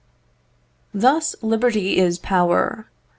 Thus, liberty is power.